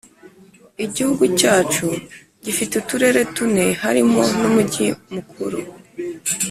Igihugu cyacu gifite uturere tune harimo numujyi mukuru